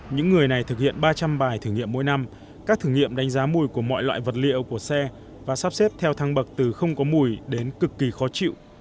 những người này thực hiện ba trăm linh bài thử nghiệm mỗi năm các thử nghiệm đánh giá mùi của mọi loại vật liệu của xe và sắp xếp theo thang bậc từ không có mùi đến cực kỳ khó chịu